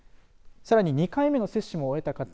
さらに２回目の接種も終えた方。